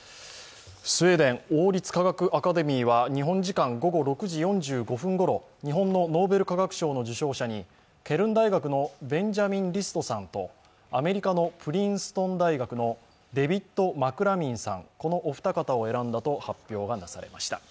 スウェーデン王立科学アカデミーは日本時間午後６時４５分頃ノーベル化学賞の受賞者にケルン大学のベンジャミン・リストさんとアメリカのプリンストン大学のデヴィッド・マクミランさんこのお二方を選んだと発表がなされました。